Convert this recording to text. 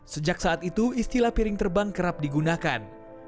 sejak saat itu istilah piring terbang kerap digunakan